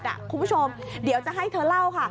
คุณผู้ชมเดี๋ยวจะให้เธอเล่าค่ะ